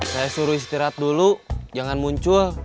saya suruh istirahat dulu jangan muncul